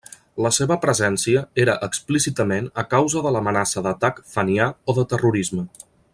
La seva presència era explícitament a causa de l'amenaça d'atac fenià o de terrorisme.